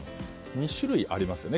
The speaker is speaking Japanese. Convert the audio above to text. ２種類ありますね